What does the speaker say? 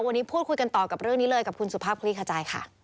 วันนี้พูดคุยกันต่อกับเรื่องนี้เลยกับคุณสุภาพคลี่ขจายค่ะ